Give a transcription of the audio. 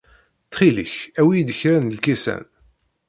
Ttxil-k, awi-iyi-d kra n lkisan.